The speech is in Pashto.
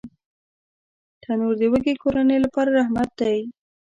تنور د وږې کورنۍ لپاره رحمت دی